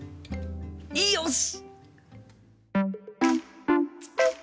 よし！